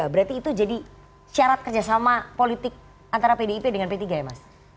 berarti itu jadi syarat kerjasama politik antara pdip dengan p tiga ya mas